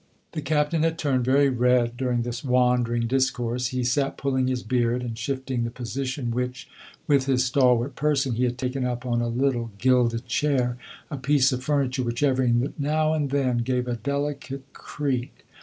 The Captain had turned very red during this wandering discourse. He sat pulling his beard and shifting the position which, with his stalwart person, he had taken up on a little gilded chair a piece of furniture which every now and then gave a delicate creak.